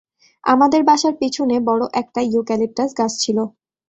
আমাদের বাসার পিছনে বড়ো একটা ইউক্যালিপটাস গাছ ছিল।